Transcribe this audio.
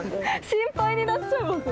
心配になっちゃいますね。